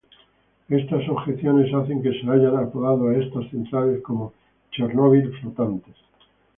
Estas objeciones hacen que se haya apodado a estas centrales como "Chernobyl flotantes".